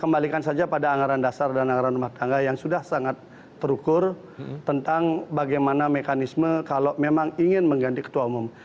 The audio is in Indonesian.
kembalikan saja pada anggaran dasar dan anggaran rumah tangga yang sudah sangat terukur tentang bagaimana mekanisme kalau memang ingin mengganti ketua umum